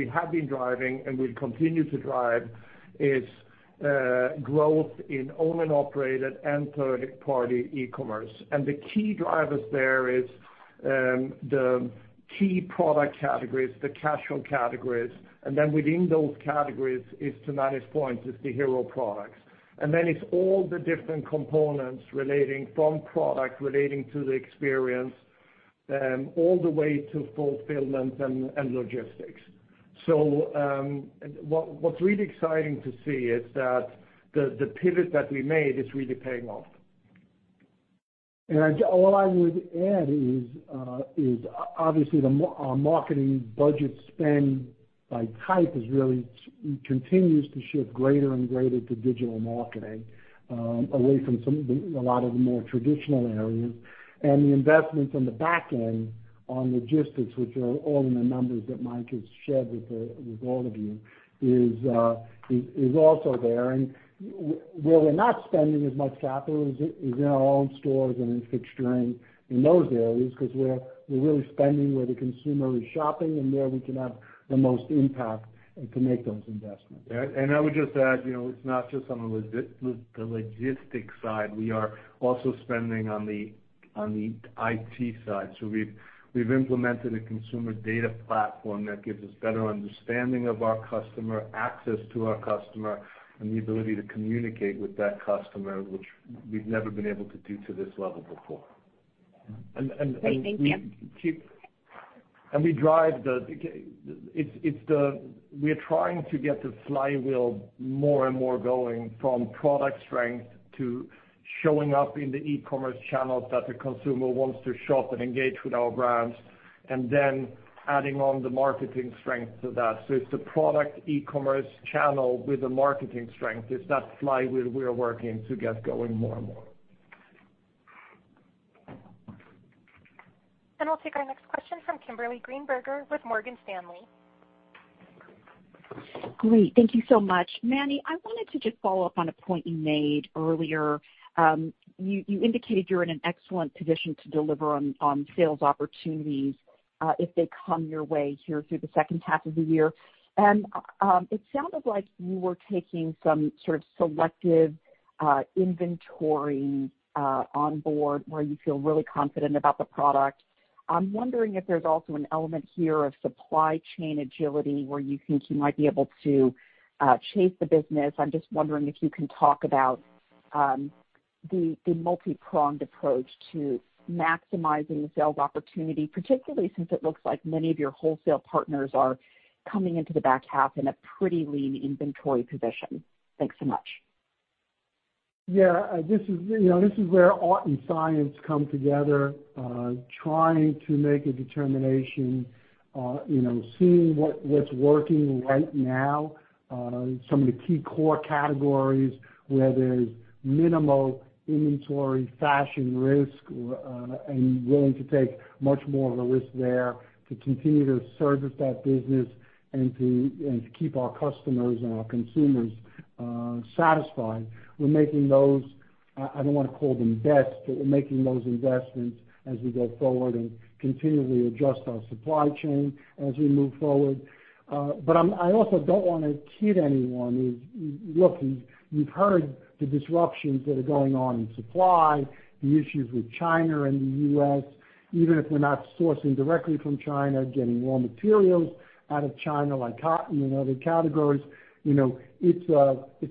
have been driving, and we'll continue to drive is growth in owned and operated and third-party e-commerce. The key drivers there is the key product categories, the casual categories, and then within those categories is to Manny's point, is the hero products. It's all the different components relating from product, relating to the experience, all the way to fulfillment and logistics. What's really exciting to see is that the pivot that we made is really paying off. All I would add is, obviously, our marketing budget spend by type really continues to shift greater and greater to digital marketing, away from a lot of the more traditional areas. The investments on the back end on logistics, which are all in the numbers that Mike has shared with all of you, is also there. Where we're not spending as much capital is in our own stores and in fixturing, in those areas. Because we're really spending where the consumer is shopping and where we can have the most impact and can make those investments. I would just add, it's not just on the logistics side, we are also spending on the IT side. We've implemented a consumer data platform that gives us better understanding of our customer, access to our customer, and the ability to communicate with that customer, which we've never been able to do to this level before. Great. Thank you. We are trying to get the flywheel more and more going from product strength to showing up in the e-commerce channels that the consumer wants to shop and engage with our brands, and then adding on the marketing strength to that. It's the product e-commerce channel with the marketing strength. It's that flywheel we are working to get going more and more. We'll take our next question from Kimberly Greenberger with Morgan Stanley. Great. Thank you so much. Manny, I wanted to just follow up on a point you made earlier. You indicated you're in an excellent position to deliver on sales opportunities, if they come your way here through the second half of the year. It sounded like you were taking some sort of selective inventory on board where you feel really confident about the product. I'm wondering if there's also an element here of supply chain agility where you think you might be able to chase the business. I'm just wondering if you can talk about the multi-pronged approach to maximizing the sales opportunity, particularly since it looks like many of your wholesale partners are coming into the back half in a pretty lean inventory position. Thanks so much. Yeah. This is where art and science come together, trying to make a determination, seeing what's working right now. Some of the key core categories where there's minimal inventory fashion risk, and willing to take much more of a risk there to continue to service that business and to keep our customers and our consumers satisfied. We're making those, I don't want to call them bets, but we're making those investments as we go forward and continually adjust our supply chain as we move forward. I also don't want to kid anyone is, look, you've heard the disruptions that are going on in supply, the issues with China and the U.S. Even if we're not sourcing directly from China, getting raw materials out of China, like cotton and other categories. It's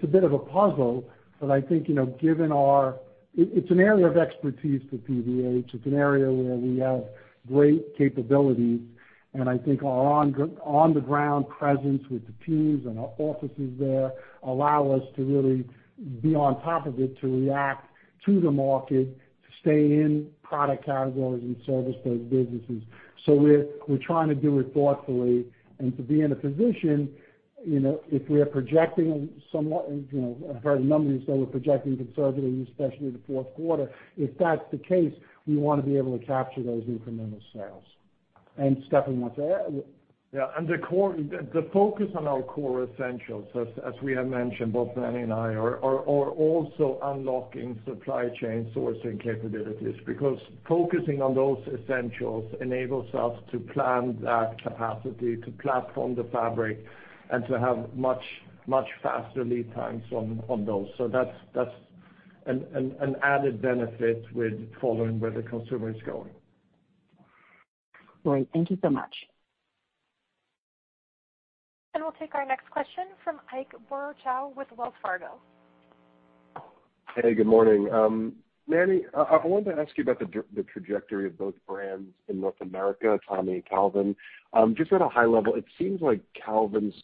a bit of a puzzle, but I think, it's an area of expertise for PVH. It's an area where we have great capabilities, and I think our on-the-ground presence with the teams and our offices there allow us to really be on top of it, to react to the market, to stay in product categories and service those businesses. We're trying to do it thoughtfully and to be in a position, if we are projecting somewhat, I've heard a number you say we're projecting conservatively, especially the fourth quarter. If that's the case, we want to be able to capture those incremental sales. Stefan wants to add? Yeah. The focus on our core essentials, as we have mentioned, both Manny and I, are also unlocking supply chain sourcing capabilities. Focusing on those essentials enables us to plan that capacity, to platform the fabric, and to have much faster lead times on those. That's an added benefit with following where the consumer is going. Great. Thank you so much. We'll take our next question from Ike Boruchow with Wells Fargo. Hey, good morning. Manny, I wanted to ask you about the trajectory of both brands in North America, Tommy and Calvin. Just at a high level, it seems like Calvin's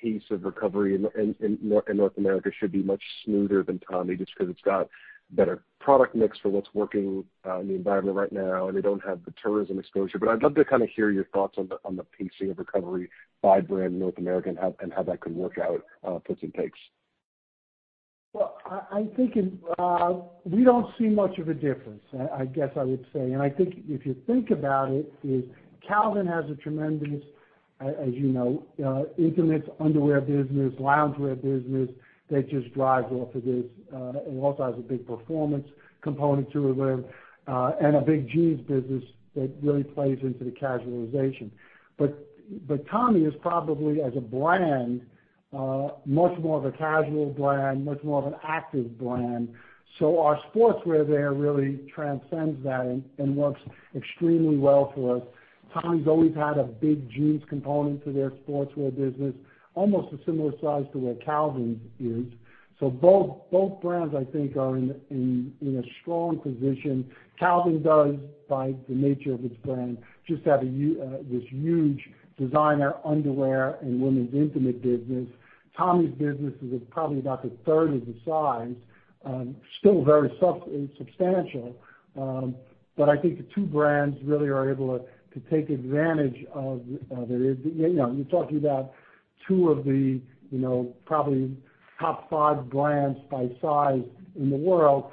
pace of recovery in North America should be much smoother than Tommy, just because it's got better product mix for what's working in the environment right now, and they don't have the tourism exposure. I'd love to hear your thoughts on the pacing of recovery by brand North America, and how that could work out for some takes. Well, we don't see much of a difference, I guess I would say. I think if you think about it, Calvin has a tremendous, as you know, intimates, underwear business, loungewear business that just drives off of this. It also has a big performance component to it and a big jeans business that really plays into the casualization. Tommy is probably, as a brand, much more of a casual brand, much more of an active brand. Our sportswear there really transcends that and works extremely well for us. Tommy's always had a big jeans component to their sportswear business, almost a similar size to where Calvin's is. Both brands, I think, are in a strong position. Calvin does, by the nature of its brand, just have this huge designer underwear and women's intimate business. Tommy's business is probably about a third of the size. Still very substantial. I think the two brands really are able to take advantage of. You're talking about two of the probably top five brands by size in the world.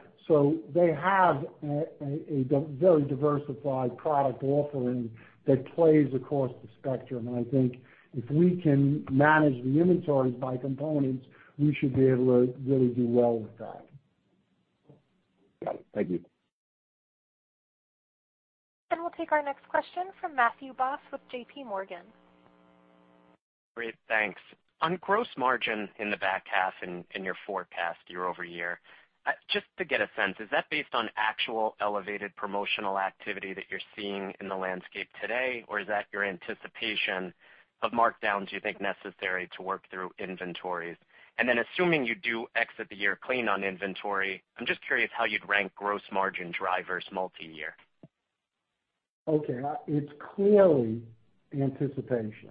They have a very diversified product offering that plays across the spectrum. I think if we can manage the inventories by components, we should be able to really do well with that. Got it. Thank you. We'll take our next question from Matthew Boss with JPMorgan. Great. Thanks. On gross margin in the back half in your forecast year-over-year, just to get a sense, is that based on actual elevated promotional activity that you're seeing in the landscape today, or is that your anticipation of markdowns you think necessary to work through inventories? Assuming you do exit the year clean on inventory, I'm just curious how you'd rank gross margin drivers multi-year. Okay. It's clearly anticipation.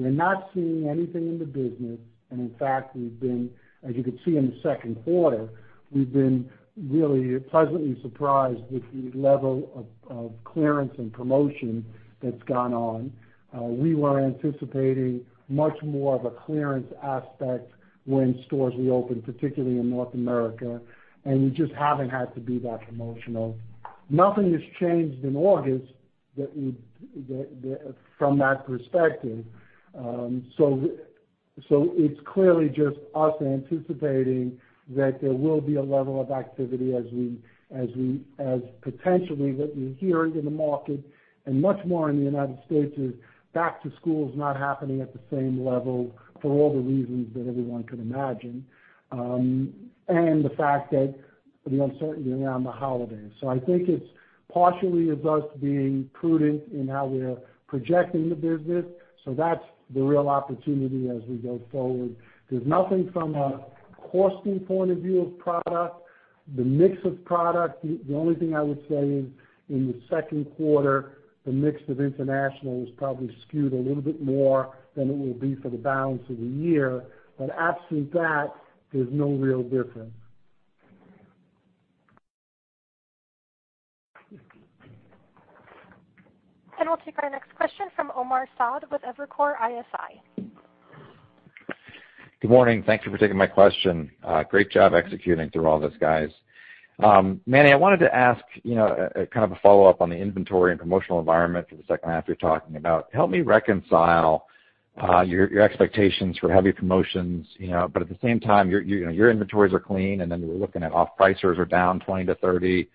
We're not seeing anything in the business, and in fact, as you can see in the second quarter, we've been really pleasantly surprised with the level of clearance and promotion that's gone on. We were anticipating much more of a clearance aspect when stores reopened, particularly in North America, and we just haven't had to be that promotional. Nothing has changed in August from that perspective. It's clearly just us anticipating that there will be a level of activity as potentially what we're hearing in the market, and much more in the United States, is back to school is not happening at the same level for all the reasons that everyone could imagine, and the fact that the uncertainty around the holidays. I think it's partially is us being prudent in how we're projecting the business. That's the real opportunity as we go forward. There's nothing from a costing point of view of product, the mix of product. The only thing I would say is in the second quarter, the mix of international was probably skewed a little bit more than it will be for the balance of the year. Absent that, there's no real difference. We'll take our next question from Omar Saad with Evercore ISI. Good morning. Thank you for taking my question. Great job executing through all this, guys. Manny, I wanted to ask, kind of a follow-up on the inventory and promotional environment for the second half you're talking about. Help me reconcile your expectations for heavy promotions, at the same time, your inventories are clean, we're looking at off-pricers are down 20%-30%.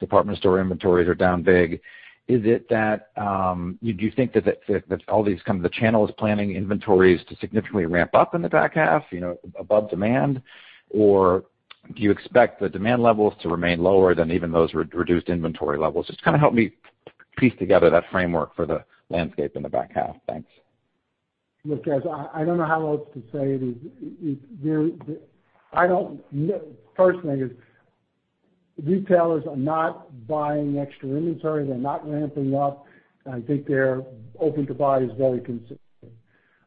Department store inventories are down big. Do you think that all these come to the channel is planning inventories to significantly ramp up in the back half, above demand? Do you expect the demand levels to remain lower than even those reduced inventory levels? Just help me piece together that framework for the landscape in the back half. Thanks. Look, guys, I don't know how else to say it. Personally, retailers are not buying extra inventory. They're not ramping up. I think their open-to-buy is very conservative.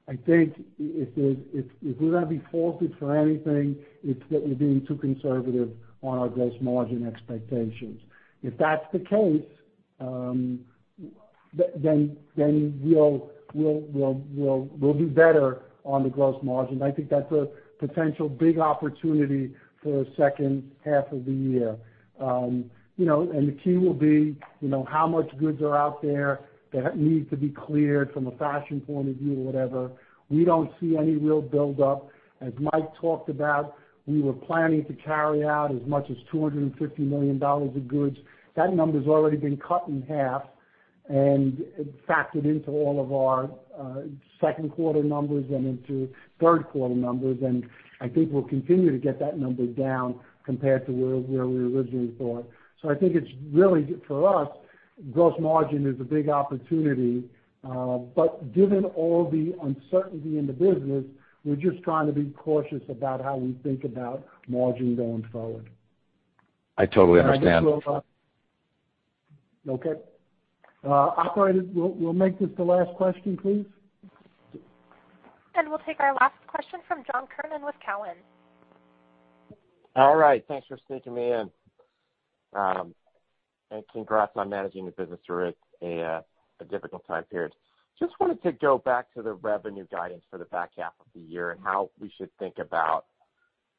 I think if we're going to be faulted for anything, it's that we're being too conservative on our gross margin expectations. If that's the case, we'll be better on the gross margin. I think that's a potential big opportunity for the second half of the year. The key will be, how much goods are out there that need to be cleared from a fashion point of view or whatever. We don't see any real buildup. As Mike talked about, we were planning to carry out as much as $250 million of goods. That number's already been cut in half and factored into all of our second quarter numbers and into third quarter numbers. I think we'll continue to get that number down compared to where we originally thought. I think it's really, for us, gross margin is a big opportunity. Given all the uncertainty in the business, we're just trying to be cautious about how we think about margin going forward. I totally understand. Okay. Operator, we'll make this the last question, please. We'll take our last question from John Kernan with Cowen. All right. Thanks for sneaking me in. Congrats on managing the business through a difficult time period. Just wanted to go back to the revenue guidance for the back half of the year and how we should think about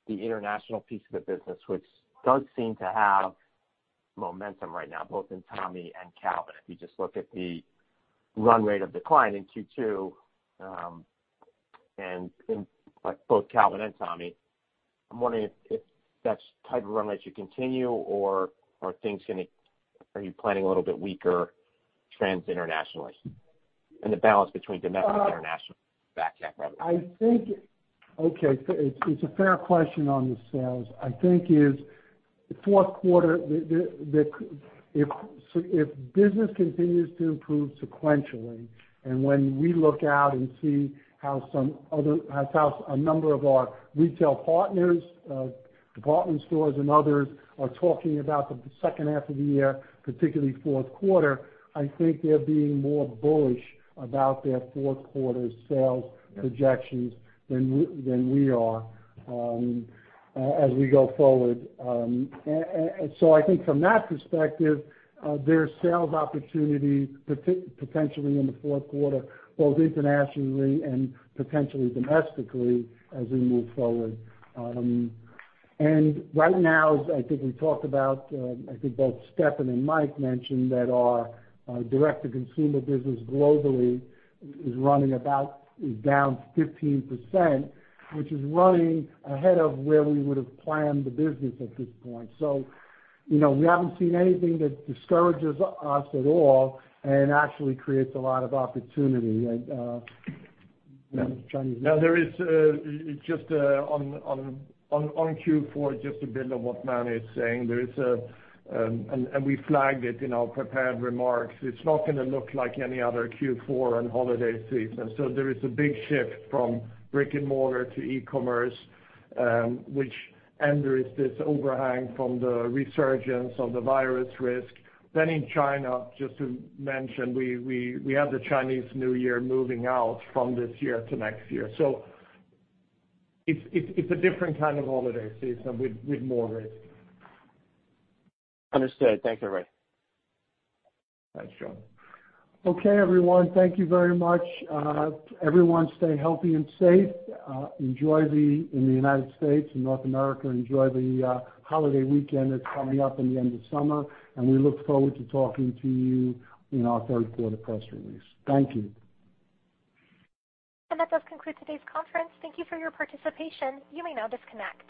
the international piece of the business, which does seem to have momentum right now, both in Tommy and Calvin. If you just look at the run rate of decline in Q2, in both Calvin and Tommy, I'm wondering if that type of run rate should continue, or are you planning a little bit weaker trends internationally and the balance between domestic, international back half revenue? It's a fair question on the sales. I think is, if business continues to improve sequentially, and when we look out and see how a number of our retail partners, department stores and others, are talking about the second half of the year, particularly fourth quarter, I think they're being more bullish about their fourth quarter sales projections than we are as we go forward. So I think from that perspective, there's sales opportunity potentially in the fourth quarter, both internationally and potentially domestically as we move forward. Right now, as I think we talked about, I think both Stefan and Mike mentioned that our direct-to-consumer business globally is down 15%, which is running ahead of where we would've planned the business at this point. We haven't seen anything that discourages us at all and actually creates a lot of opportunity. China. On Q4, just to build on what Manny is saying, we flagged it in our prepared remarks, it's not going to look like any other Q4 and holiday season. There is a big shift from brick and mortar to e-commerce, there is this overhang from the resurgence of the virus risk. In China, just to mention, we have the Chinese New Year moving out from this year to next year. It's a different kind of holiday season with more risk. Understood. Thank you, everybody. Thanks, John. Okay, everyone. Thank you very much. Everyone, stay healthy and safe. In the United States and North America, enjoy the holiday weekend that's coming up in the end of summer, and we look forward to talking to you in our third quarter press release. Thank you. That does conclude today's conference. Thank you for your participation. You may now disconnect.